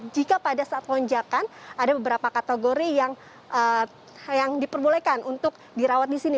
jika pada saat lonjakan ada beberapa kategori yang diperbolehkan untuk dirawat di sini